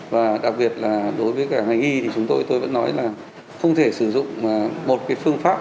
và đặc biệt là đối với cả ngành y thì chúng tôi tôi vẫn nói là không thể sử dụng một phương pháp